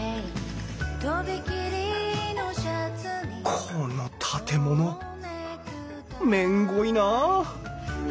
この建物めんごいなあ